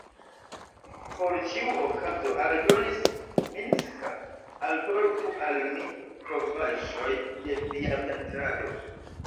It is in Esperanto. Por ĉiu okazo, aldonis Zminska, alportu al mi provaĵojn de via pentrado.